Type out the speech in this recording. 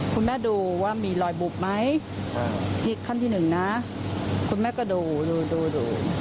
คุณแม่ดูว่ามีรอยบุบไหมนี่ขั้นที่หนึ่งนะคุณแม่ก็ดูดูดู